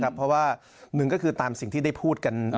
เพราะว่าหนึ่งก็คือตามสิ่งที่ได้พูดกัน